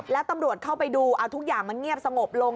แล้วตำรวจเข้าไปดูเอาทุกอย่างมันเงียบสงบลง